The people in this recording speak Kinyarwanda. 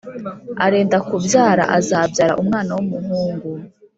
arenda kubyara azabyara umwana wumuhungu